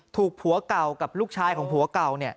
ถูกผัวเก่ากับลูกชายของผัวเก่าเนี่ย